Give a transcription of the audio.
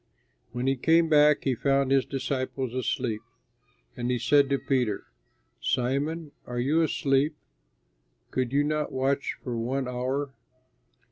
When he came back, he found his disciples asleep; and he said to Peter, "Simon, are you asleep? Could you not watch for one hour?